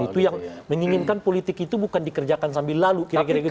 itu yang menginginkan politik itu bukan dikerjakan sambil lalu kira kira gitu